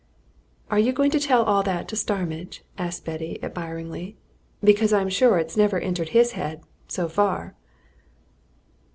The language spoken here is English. "Are you going to tell all that to Starmidge?" asked Betty admiringly. "Because I'm sure it's never entered his head so far."